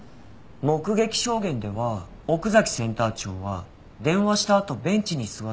目撃証言では奥崎センター長は電話したあとベンチに座って燃えたんですよね？